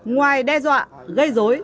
ngoài đe dọa gây dối